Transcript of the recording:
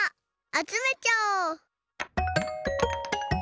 あつめちゃおう！